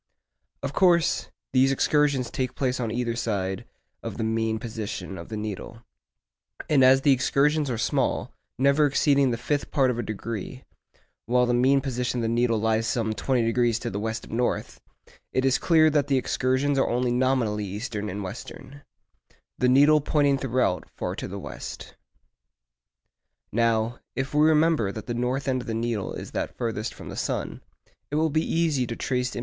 Of course, these excursions take place on either side of the mean position of the needle, and as the excursions are small, never exceeding the fifth part of a degree, while the mean position of the needle lies some 20° to the west of north, it is clear that the excursions are only nominally eastern and western, the needle pointing throughout, far to the west. Now, if we remember that the north end of the needle is that farthest from the sun, it will be easy to trace in M.